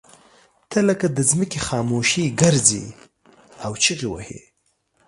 ته لکه د ځمکې خاموشي ګرځې او چغې وهې.